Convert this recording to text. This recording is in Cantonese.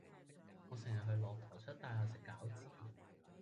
我成日去駱駝漆大廈食餃子